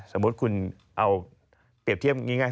สมมุติคุณเอาเปรียบเทียบง่าย